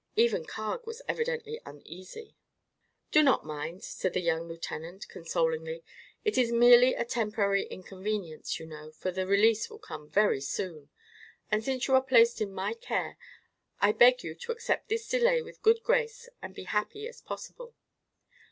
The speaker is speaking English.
Even Carg was evidently uneasy. "Do not mind," said the young lieutenant consolingly. "It is merely a temporary inconvenience, you know, for your release will come very soon. And since you are placed in my care I beg you to accept this delay with good grace and be happy as possible.